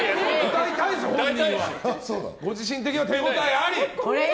ご自身的には手応えありと。